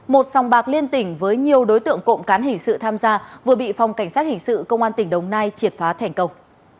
một sòng bạc liên tỉnh với nhiều đối tượng cộng cán hình sự tham gia vừa bị phòng cảnh sát hình sự công an tỉnh đồng nai triệt phá thành công